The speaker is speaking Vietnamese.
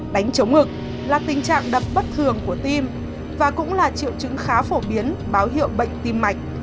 đánh chống ngực là tình trạng đập bất thường của tim và cũng là triệu chứng khá phổ biến báo hiệu bệnh tim mạch